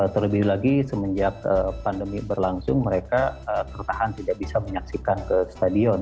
terlebih lagi semenjak pandemi berlangsung mereka tertahan tidak bisa menyaksikan ke stadion